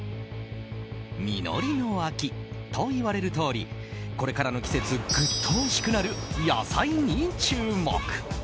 実りの秋といわれるとおりこれからの季節ぐっとおいしくなる野菜に注目。